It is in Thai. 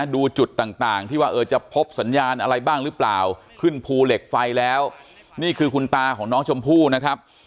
ดูจุดต่างที่ว่าจะพบสัญญาณอะไรบ้างหรือเปล่าขึ้นภูเหล็กไฟแล้วนี่คือคุณตาของน้องชมพู่นะครับ